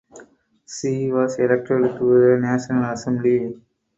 She was elected to the National Assembly.